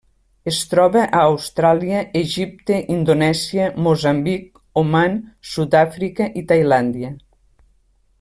Es troba a Austràlia, Egipte, Indonèsia, Moçambic, Oman, Sud-àfrica i Tailàndia.